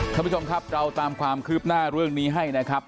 ท่านผู้ชมครับเราตามความคืบหน้าเรื่องนี้ให้นะครับ